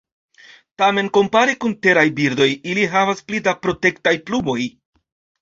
Tamen, kompare kun teraj birdoj, ili havas pli da protektaj plumoj.